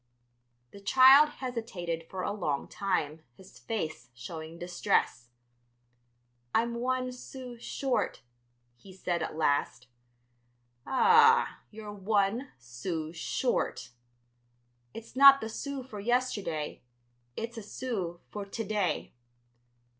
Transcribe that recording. The child hesitated for a long time, his face showing distress, "I'm one sou short," he said at last. "Ah, you're one sou short." "It's not the sou for yesterday; it's a sou for to day."